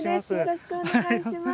よろしくお願いします。